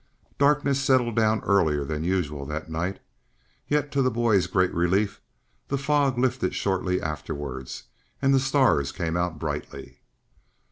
Darkness settled down earlier than usual that night. Yet, to the boy's great relief, the fog lifted shortly afterwards and the stars came out brightly.